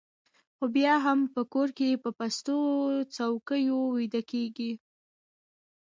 خو بیا هم په کور کې په پستو څوکیو ویده کېږي